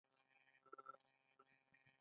دا یو ډیموکراټیک بهیر دی.